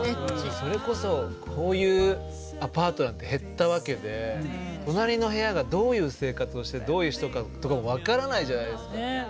それこそこういうアパートなんて減ったわけで隣の部屋がどういう生活をしてどういう人かとかも分からないじゃないですか。